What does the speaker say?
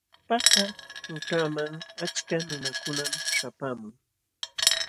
Paka qućhaman achka nunakunam śhapaamun.